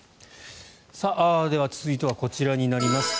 では、続いてはこちらになります。